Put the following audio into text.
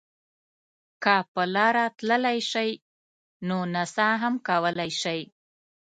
که په لاره تللی شئ نو نڅا هم کولای شئ.